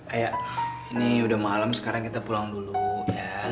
kayak ini udah malam sekarang kita pulang dulu ya